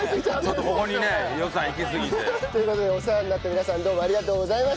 ちょっとここにね予算いきすぎて。という事でお世話になった皆さんどうもありがとうございました。